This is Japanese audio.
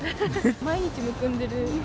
毎日むくんでる。